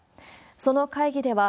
その会議では、